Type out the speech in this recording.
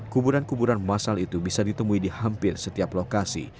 kuburan kuburan masal itu bisa ditemui di hampir setiap lokasi